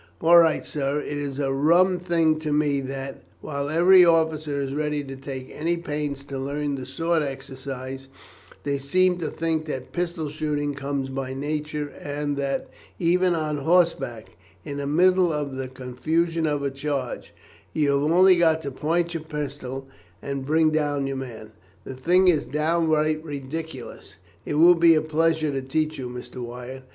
"All right, sir. It is a rum thing to me that, while every officer is ready to take any pains to learn the sword exercise, they seem to think that pistol shooting comes by nature, and that, even on horseback, in the middle of the confusion of a charge, you have only got to point your pistol and bring down your man. The thing is downright ridiculous! It will be a pleasure to teach you, Mr. Wyatt.